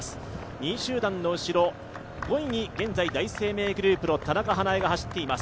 ２位集団の後ろ、５位に現在、第一生命グループの田中華絵が走っています。